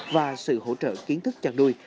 và sự hỗ trợ kiến thức chăn nuôi